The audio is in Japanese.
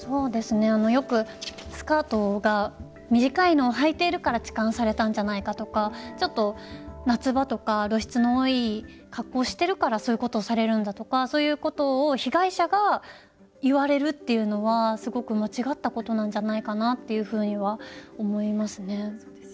よくスカートが短いのをはいているから痴漢されたんじゃないかとかちょっと、夏場とか露出の多い格好をしてるからそういうことをされるんだとかそういうことを被害者が言われるっていうのはすごく間違ったことなんじゃないかなというふうには思います。